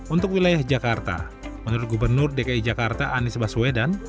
untuk wilayah jakarta menurut gubernur dki jakarta anies baswedan